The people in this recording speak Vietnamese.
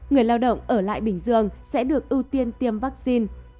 người lao động ở lại bình dương sẽ được ưu tiên tiêm vaccine